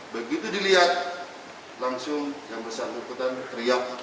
begitu dilihat langsung yang bersatu ikutan teriak